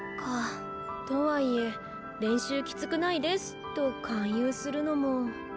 とはいえ「練習きつくないです」と勧誘するのも。